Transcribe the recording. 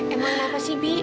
emang kenapa sih bibi